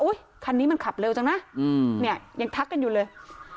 คันนี้มันขับเร็วจังนะเนี่ยยังทักกันอยู่เลย